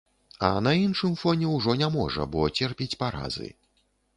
А на іншым фоне ўжо не можа, бо церпіць паразы.